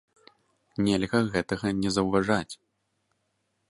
Нельга гэтага не заўважаць!